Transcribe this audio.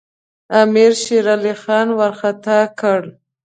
امیر شېرعلي خان وارخطا کړ.